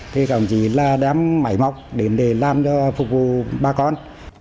thì cả đồng chí đã mải mọc đến để làm cho phục vụ bà con